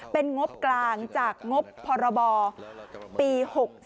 เป็นงบกลางจากงบพรบปี๖๔